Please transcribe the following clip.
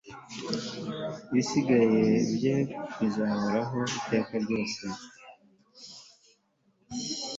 ibisingizo bye bizahoraho iteka ryose